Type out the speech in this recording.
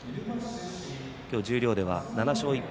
今日、十両では７勝１敗